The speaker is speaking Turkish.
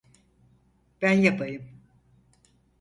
Ben yapayım.